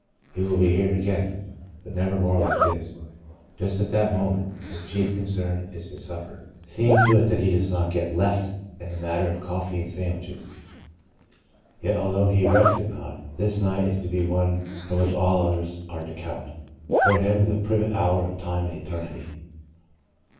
He will be here again — but never more like this. Just at the moment his chief concern is his supper — seeing to it that he does not get " left '' in the matter of 6o The Breaking of the Bread coffee and sandwiches. Yet, although he recks it not, this night is to be the one from which all others are to count — for him the pivot hour of Time and Eternity.